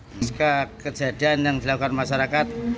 pasca kejadian yang dilakukan masyarakat